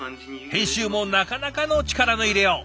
編集もなかなかの力の入れよう。